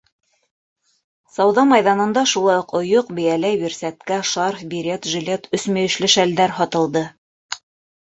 Сауҙа майҙанында шулай уҡ ойоҡ, бейәләй, бирсәткә, шарф, берет, жилет, өсмөйөшлө шәлдәр һатылды.